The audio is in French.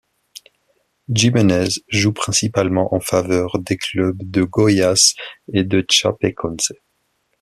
Gimenez joue principalement en faveur des clubs de Goiás et de Chapecoense.